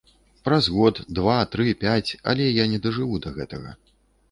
Праз год, два, тры, пяць, але я не дажыву да гэтага.